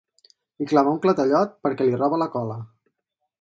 Li clava un clatellot perquè li roba la cola.